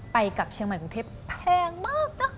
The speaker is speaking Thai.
ไปกับเชียงใหม่กรุงเทพแพงมากเนอะ